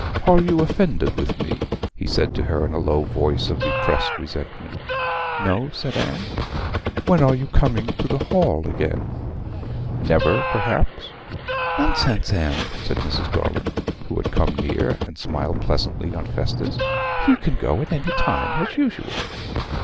'Are you offended with me?' he said to her in a low voice of repressed resentment. 'No,' said Anne. 'When are you coming to the hall again?' 'Never, perhaps.' 'Nonsense, Anne,' said Mrs. Garland, who had come near, and smiled pleasantly on Festus. 'You can go at any time, as usual.'